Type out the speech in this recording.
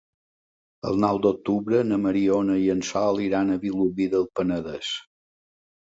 El nou d'octubre na Mariona i en Sol iran a Vilobí del Penedès.